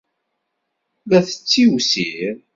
La tettiwsir.